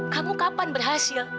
kamu kapan berhasil